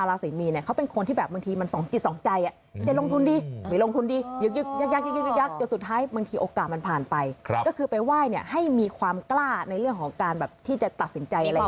และเขาพูดเป็นชาลาศีมีนเขาเป็นคนซึ่งแบบถึงสองกิจสองใจ